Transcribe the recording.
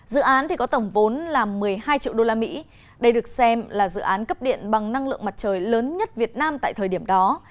dự án có tổng vốn là một mươi hai triệu usd đây được xem là dự án cấp điện bằng năng lượng mặt trời lớn nhất việt nam tại thời điểm đó